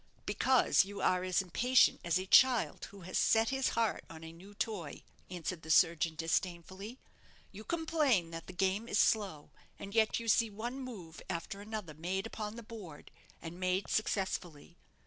"Because you are as impatient as a child who has set his heart on a new toy," answered the surgeon, disdainfully. "You complain that the game is slow, and yet you see one move after another made upon the board and made successfully.